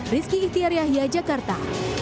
rizky ihtiyar yahya jakarta